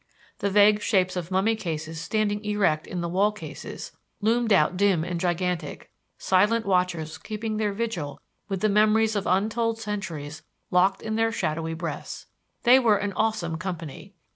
The vague shapes of mummy cases standing erect in the wall cases, loomed out dim and gigantic, silent watchers keeping their vigil with the memories of untold centuries locked in their shadowy breasts. They were an awesome company.